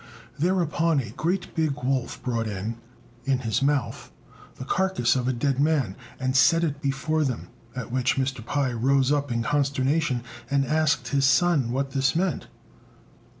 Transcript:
Thereupon a great big wolf brought in in his mouth the carcase of a dead man, and set it before them, at which Mr. Pai rose up in consternation, and asked his son what this meant.